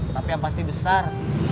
tapi yang pasti besar